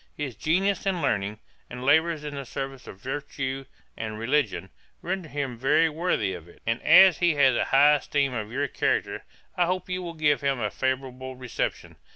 'His genius and learning, and labours in the service of virtue and religion, render him very worthy of it; and as he has a high esteem of your character, I hope you will give him a favourable reception.